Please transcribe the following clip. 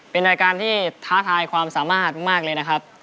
เป็นรายการที่ท้าทายความสามารถมากเลยนะครับ